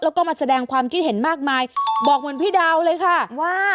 แล้วก็มาแสดงความคิดเห็นมากมายบอกเหมือนพี่ดาวเลยค่ะว่า